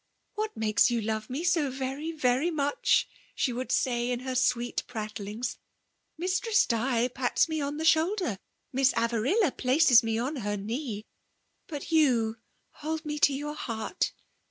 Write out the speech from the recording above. * What makes you love lae ao eVesy, vefy much V she would say in her awest . prattlings :— 'Mistress Di pats me on the shoalder; Miss Aviurilia places me on her knee ; but ycu hold me to yout heart.